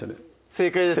正解ですか？